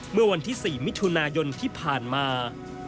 เมื่อวันที่๔มิถุนายนที่ผ่านมา